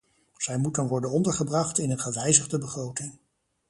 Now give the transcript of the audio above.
Zij moeten worden ondergebracht in een gewijzigde begroting.